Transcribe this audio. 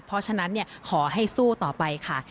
เพราะฉะนั้นขอให้สู้ต่อไปค่ะ